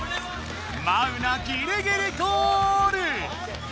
マウナギリギリゴール！